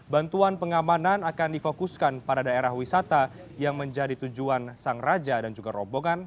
bantuan pengamanan akan difokuskan pada daerah wisata yang menjadi tujuan sang raja dan juga rombongan